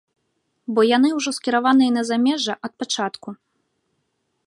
Бо яны ужо скіраваныя на замежжа, ад пачатку.